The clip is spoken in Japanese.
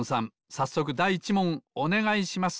さっそくだい１もんおねがいします。